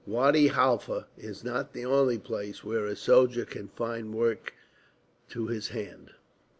Wadi Halfa is not the only place where a soldier can find work to his hand."